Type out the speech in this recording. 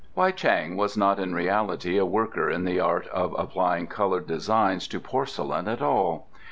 Wei Chang was not in reality a worker in the art of applying coloured designs to porcelain at all.